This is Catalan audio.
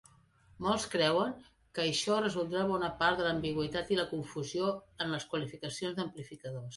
Molts creuen que això resoldrà bona part de l'ambigüitat i la confusió en les qualificacions d'amplificadors.